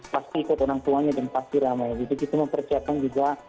pasti ikut orang tuanya dan pasti ramai jadi kita mempersiapkan juga